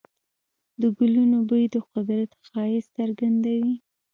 د ګلونو بوی د قدرت ښایست څرګندوي.